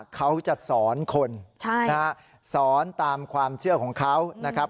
เขาจะสอนคนสอนตามความเชื่อของเขานะครับ